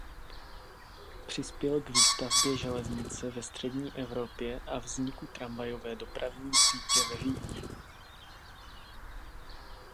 Přispěl k výstavbě železnice ve střední Evropě a vzniku tramvajové dopravní sítě ve Vídni.